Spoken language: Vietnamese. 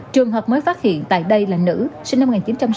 trường hợp mới phát hiện tại đây là nữ sinh năm một nghìn chín trăm sáu mươi